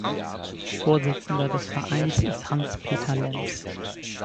Vorsitzender des Vereins ist Hans Peter Lenz.